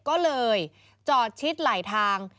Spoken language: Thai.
ก็เลยจอดชิดไหลทาง